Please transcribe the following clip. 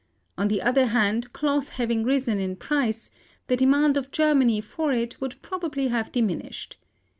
On the other hand, cloth having risen in price, the demand of Germany for it would probably have diminished.